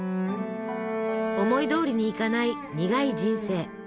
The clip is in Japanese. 思いどおりにいかない苦い人生。